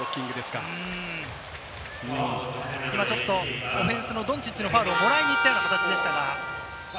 今、ちょっとオフェンスのドンチッチのファウルをもらいに行ったような形でした。